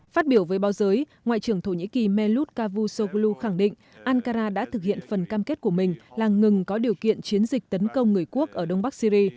phát biểu với báo giới ngoại trưởng thổ nhĩ kỳ melut cavusoglu khẳng định ankara đã thực hiện phần cam kết của mình là ngừng có điều kiện chiến dịch tấn công người quốc ở đông bắc syri